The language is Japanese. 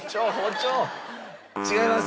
違います！